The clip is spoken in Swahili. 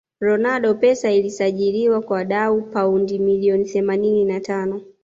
ronaldo pesa ilisajiriwa kwa dau paundi milioni themanini ma tano